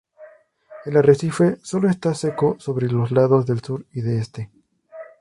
El arrecife sólo está seco sobre los lados del sur y de este.